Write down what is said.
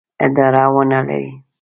اداره ونه لري.